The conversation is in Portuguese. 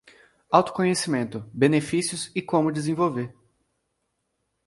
Autoconhecimento: benefícios e como desenvolver